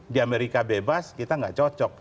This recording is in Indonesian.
di amerika bebas kita nggak cocok